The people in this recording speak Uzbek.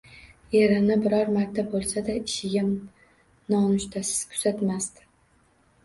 Erini biror marta bo`lsa-da, ishiga nonushtasiz kuzatmasdi